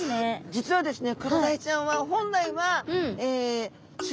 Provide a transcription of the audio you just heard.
実はですね